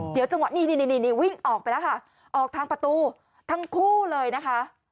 เดี๋ยวจังหวะนี้นี่วิ่งออกไปแล้วค่ะออกทางประตูทั้งคู่เลยนะคะ